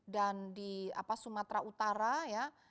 dan di sumatera utara ya